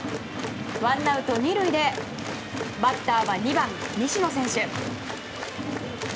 ワンアウト２塁でバッターは２番、西野選手。